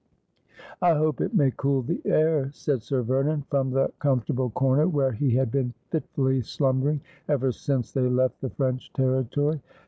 ' I hope it may cool the air,' said Sir Vernon, from the com fortable corner wlicre he h:id been fitfully slumbering ever since they left the French territory.